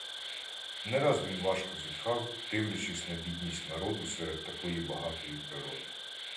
Не раз він важко зітхав, дивлячись на бідність народу серед такої багатої природи.